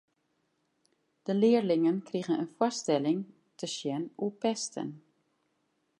De learlingen krigen in foarstelling te sjen oer pesten.